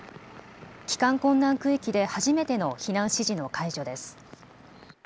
帰還困難区域で初めての避難指示の解除です。